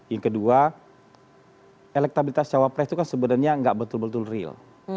yang kedua elektabilitas cawapres itu kan sebenarnya nggak betul betul real